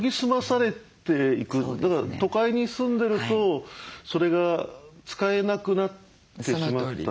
だから都会に住んでるとそれが使えなくなってしまった。